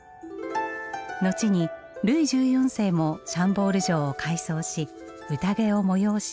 後にルイ１４世もシャンボール城を改装しうたげを催し